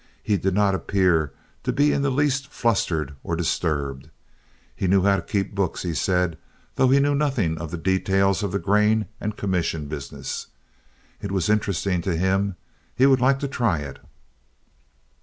He did not appear to be in the least flustered or disturbed. He knew how to keep books, he said, though he knew nothing of the details of the grain and commission business. It was interesting to him. He would like to try it.